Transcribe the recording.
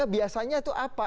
biasanya itu apa